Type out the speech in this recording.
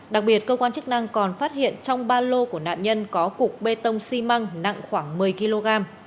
đặc biệt cơ quan chức năng còn phát hiện trong ba lô của nạn nhân có cục bê tông xi măng nặng khoảng một mươi kg